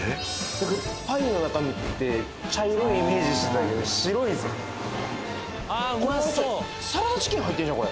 なんかパイの中身って茶色いイメージしてたけど白いぞこれサラダチキン入ってんちゃう？